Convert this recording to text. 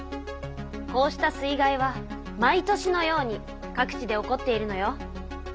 こうした水害は毎年のように各地で起こっているのよ。